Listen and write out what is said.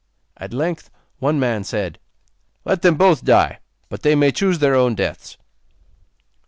At length one man said: 'Let them both die, but they may choose their own deaths.